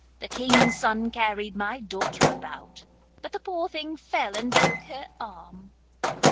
The King's son carried my daughter about, but the poor thing fell and broke her arm.